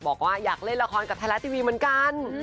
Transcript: บอกว่าอยากเล่นละครกับไทยรัฐทีวีเหมือนกัน